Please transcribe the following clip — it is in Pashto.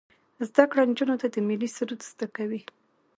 زده کړه نجونو ته د ملي سرود زده کوي.